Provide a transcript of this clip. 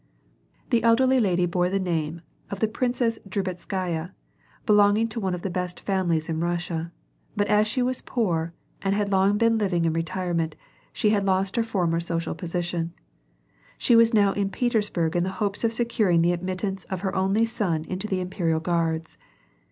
The elderly lady bore the name of the Princess Drubetskaya^ belonging to one of the best families in Kussia, but as she was poor, and had long been living in retirement, she had lost her former social ^sition. She was now in Petersburg in the hopes of securing the admittance of her only son into the Imperial Guards.